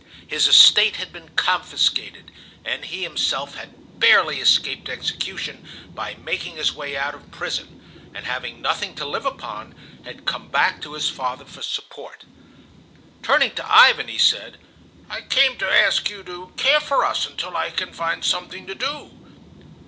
His estate had been confiscated, and he himself had barely escaped execution by making his way out of prison, and having nothing to live upon had come back to his father for support. Turning to Ivan he said: "I came to ask you to care for us until I can find something to do."